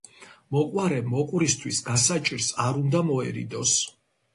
მოყვარე მოყვრისთვის გასაჭირს არ უნდა მოერიდოს.